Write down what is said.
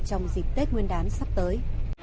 trong dịp tết nguyên đán sắp tới